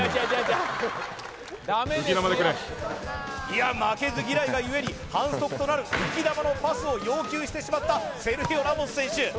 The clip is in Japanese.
いや負けず嫌いが故に反則となる浮き球のパスを要求してしまったセルヒオ・ラモス選手